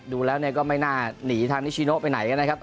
ดูแล้วก็ไม่น่าหนีทางนิชิโนไปไหนนะครับ